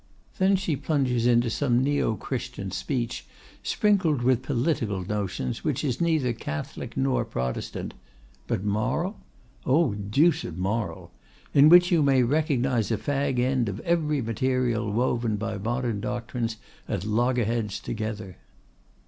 Then she plunges into some neo Christian speech sprinkled with political notions which is neither Catholic nor Protestant—but moral? Oh! deuced moral!—in which you may recognize a fag end of every material woven by modern doctrines, at loggerheads together."